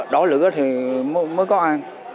đỏ lửa thì mới có ai